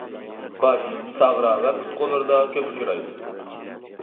باش، ساغرا ۋە پۇت قوللىرىدا كۆپ ئۇچرايدۇ.